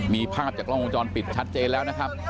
มีภาพจากกล้องวงจรปิดชัดเจนแล้วนะครับ